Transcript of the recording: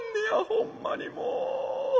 ほんまにもう。